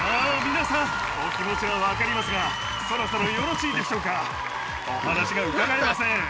皆さんお気持ちは分かりますがそろそろよろしいでしょうかお話が伺えません。